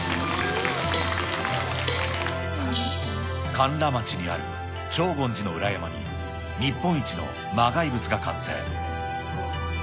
甘楽町にある長厳寺の裏山に、日本一の磨崖仏が完成。